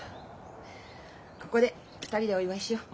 ここで２人でお祝いしよう。